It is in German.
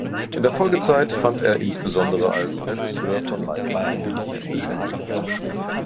In der Folgezeit fand er insbesondere als Regisseur von leichten Komödien Beschäftigung.